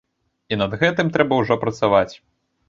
І над гэтым трэба ўжо працаваць.